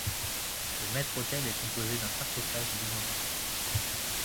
Le maître-autel est composé d'un sarcophage byzantin.